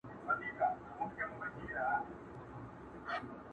کلي کي نوي کورونه جوړېږي او ژوند بدلېږي ورو،